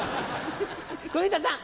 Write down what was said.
小遊三さん。